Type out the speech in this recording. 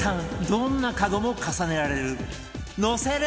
どんなカゴも重ねられるのせる！